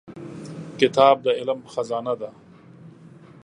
کتاب د علم خزانه ده.